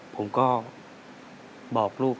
ผมก็บอกลูก